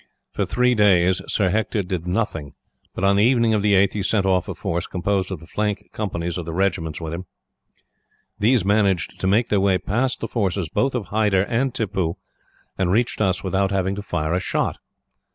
"For three days Sir Hector did nothing, but on the evening of the 8th he sent off a force, composed of the flank companies of the regiments with him. These managed to make their way past the forces both of Hyder and Tippoo, and reached us without having to fire a shot.